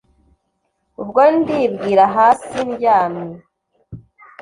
Ubwo ndibwira hasi ndyame